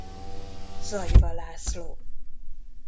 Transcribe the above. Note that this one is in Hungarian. Zagyva László.